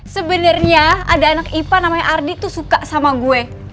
sebenarnya ada anak ipa namanya ardi tuh suka sama gue